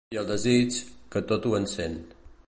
I el desig, que tot ho encén.